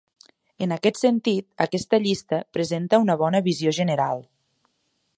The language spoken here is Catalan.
En aquest sentit aquesta llista presenta una bona visió general.